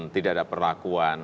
tidak ada perlakuan